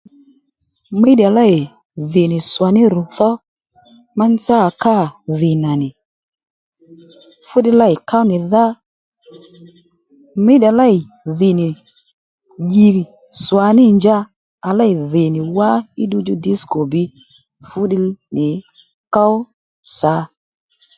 Míddiya lêy dhì nì swà ní rù tho ma nzá à kâ dhì nà nì fú ddiy lêy ków nì dhá Mídìya lêy dhì nì dyì swàní njǎ à lêy dhì nì wá í ddu djú disco bbǐy fúddiy nì ków sǎ